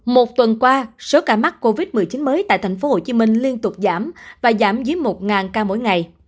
một tuần qua số ca mắc covid một mươi chín mới tại thành phố hồ chí minh liên tục giảm và giảm dưới một ca mỗi ngày